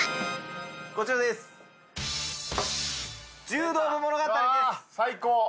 こちらです最高。